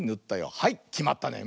はいきまったね。